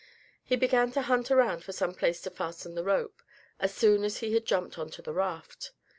He began to hunt around for some place to fasten the rope, as soon as he had jumped on to the raft.